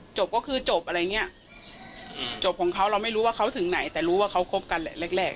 จบก็คือจบอะไรอย่างเงี้ยจบของเขาเราไม่รู้ว่าเขาถึงไหนแต่รู้ว่าเขาคบกันแหละแรกแรก